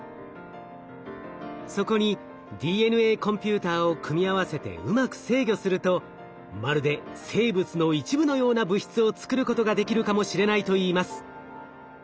そこにＤＮＡコンピューターを組み合わせてうまく制御するとまるで生物の一部のような物質を作ることができるかもしれないといいます。